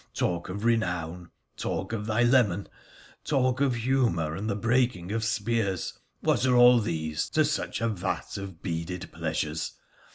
Talk of renown — talk of thy leman — talk of honour and the breaking of spears — what are all these to such a vat of beaded pleasures